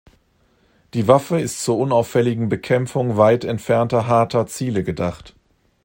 Die Waffe ist zur unauffälligen Bekämpfung weit entfernter harter Ziele gedacht.